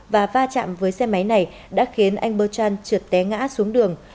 và va chạm với xe máy này đã khiến anh bertrand trượt té ngã xuống đường